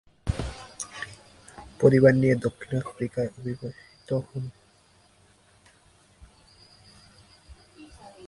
পরিবার নিয়ে দক্ষিণআফ্রিকায় অভিবাসিত হন।